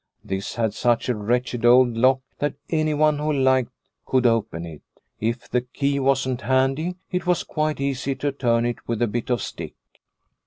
This had such a wretched old lock that anyone who liked could open it. If the key wasn't handy it was quite easy to turn it with a bit of stick.